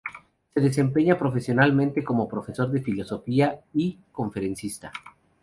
Se desempeña profesionalmente como profesor de filosofía y conferencista.